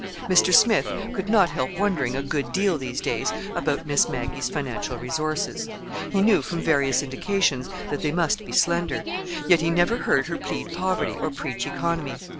Mr. Smith could not help wondering a good deal these days about Miss Maggie's financial resources. He knew from various indications that they must be slender. Yet he never heard her plead poverty or preach economy.